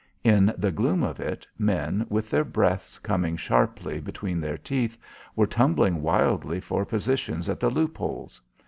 In the gloom of it, men with their breaths coming sharply between their teeth, were tumbling wildly for positions at the loop holes.